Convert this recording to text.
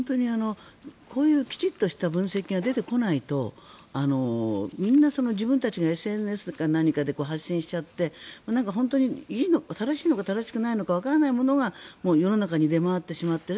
こういうきちっとした分析が出てこないとみんな、自分たちがＳＮＳとか何かで発信しちゃって本当に正しいのか正しくないのかわからないものが世の中に出回ってしまっている。